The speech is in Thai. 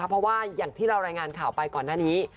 เพราะว่าอย่างที่เรารายงานข่าวไปก่อนหน้านี้